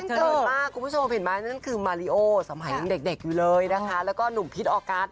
เชิญมากคุณผู้ชมเห็นไหมนั่นคือมาริโอสมัยยังเด็กอยู่เลยนะคะแล้วก็หนุ่มพิษออกัส